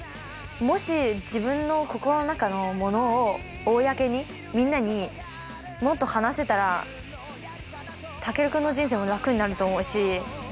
もし自分の心の中のものを公にみんなにもっと話せたらタケルくんの人生も楽になると思うし。